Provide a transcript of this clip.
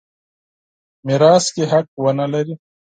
میراث کې حق ونه لري.